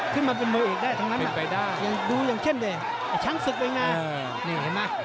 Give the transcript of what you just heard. ขึ้นมาคนในนะดูเหมือนตอนแรกน่ะไอ้ชังสึดหน่อยหน่านี่เห็นมั้ย